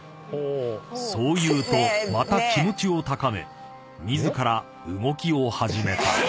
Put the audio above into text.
［そう言うとまた気持ちを高め自ら動きを始めた］